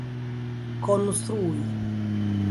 konstrui